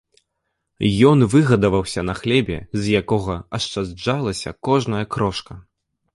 Ён выгадаваўся на хлебе, з якога ашчаджалася кожная крошка.